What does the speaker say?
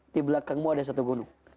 di belakangmu ada satu gunung